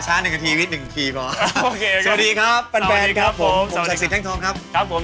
ครับผมสวัสดีค่ะสวัสดีครับผมสักสิ้นท่านทองครับครับผม